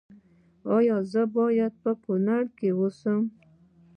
ایا زه باید په کنړ کې اوسم؟